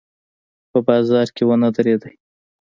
په بازار کې ونه درېدلو.